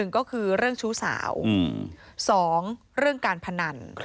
ก็คือเรื่องชู้สาว๒เรื่องการพนัน